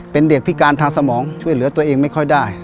เป็นเด็กพิการทางสมองช่วยเหลือตัวเองไม่ค่อยได้